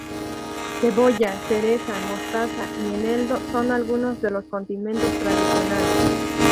Cebolla, cereza, mostaza y eneldo son algunos de los condimentos tradicionales.